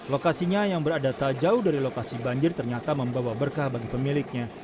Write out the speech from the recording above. lokasinya yang berada tak jauh dari lokasi banjir ternyata membawa berkah bagi pemiliknya